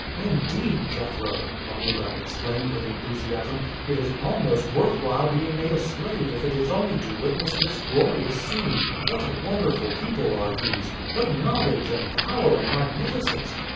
"Indeed, Jethro," Amuba exclaimed with enthusiasm, "it is almost worth while being made a slave if it is only to witness this glorious scene. What a wonderful people are these; what knowledge, and power, and magnificence!